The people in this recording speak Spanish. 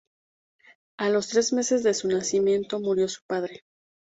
A los tres meses de su nacimiento murió su padre.